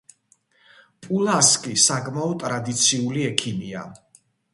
პულასკი საკმაოდ ტრადიციული ექიმია.